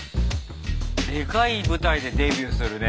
でかい舞台でデビューするね。